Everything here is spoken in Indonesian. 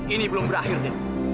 ini belum berakhir dew